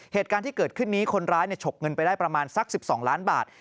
เหตุการณ์ที่เกิดขึ้นนี้คนร้ายฉกเงินไปได้ประมาณสัก๑๒ล้านบาท